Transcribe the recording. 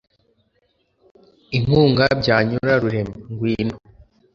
inkunga byanyura rurema, ngwino